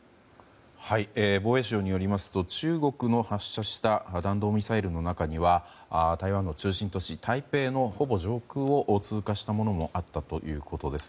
防衛省によりますと中国の発射した弾道ミサイルの中には台湾の中心都市・台北のほぼ上空を通行したものもあったということです。